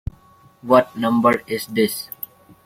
What number is this?